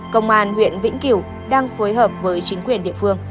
công an huyện vĩnh kiểu đang phối hợp với chính quyền địa phương